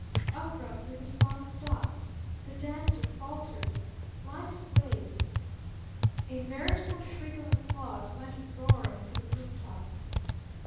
Abruptly the song stopped! The dancer faltered! Lights blazed! A veritable shriek of applause went roaring to the roof tops!